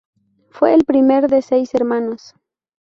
Fue el primer de seis hermanos.